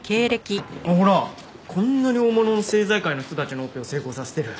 ほらこんなに大物の政財界の人たちのオペを成功させてる。